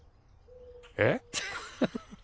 えっ？